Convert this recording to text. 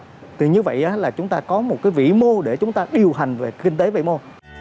thì như vậy là chúng ta có một cái vĩ mô để chúng ta điều hành về kinh tế vĩ mô